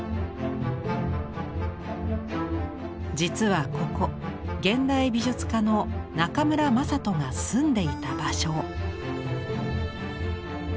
実はここ現代美術家の中村政人が住んでいた場所。